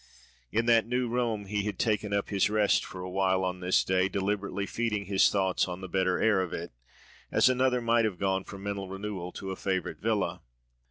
In that New Rome he had taken up his rest for awhile on this day, deliberately feeding his thoughts on the better air of it, as another might have gone for mental renewal to a favourite villa.